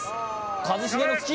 一茂の突き！